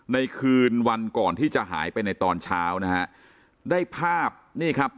ในคืนวันก่อนที่จะหายไปในตอนเช้านะฮะได้ภาพนี่ครับ